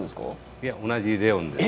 いや同じレオンです。